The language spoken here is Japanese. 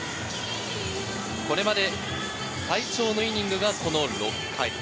これまで最長のイニングがこの６回。